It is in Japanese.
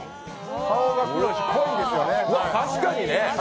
顔が黒いし、濃いんですよね。